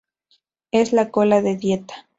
Es la cola de dieta".